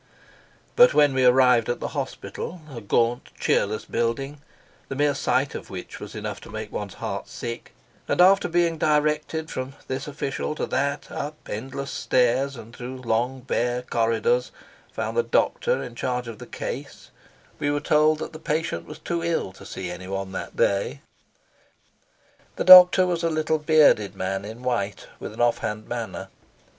But when we arrived at the hospital, a gaunt, cheerless building, the mere sight of which was enough to make one's heart sick, and after being directed from this official to that, up endless stairs and through long, bare corridors, found the doctor in charge of the case, we were told that the patient was too ill to see anyone that day. The doctor was a little bearded man in white, with an offhand manner.